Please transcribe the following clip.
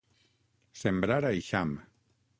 Sembrar a eixam.